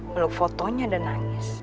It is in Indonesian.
meluk fotonya dan nangis